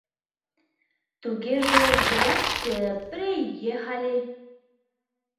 Тугеже, здраасьте, приехали!..